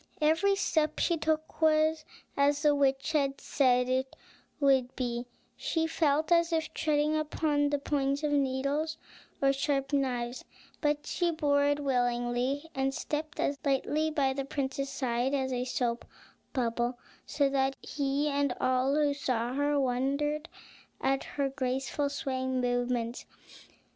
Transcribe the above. Every step she took was as the witch had said it would be, she felt as if treading upon the points of needles or sharp knives; but she bore it willingly, and stepped as lightly by the prince's side as a soap bubble, so that he and all who saw her wondered at her graceful swaying movements.